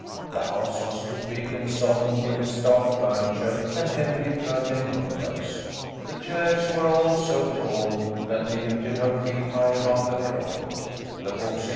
The house was too big and solemn with its dark furniture and heavily curtained windows. The chairs were all so tall that they lifted her feet high 1 68 THE LITTLE COLONEL'S HOLIDAYS.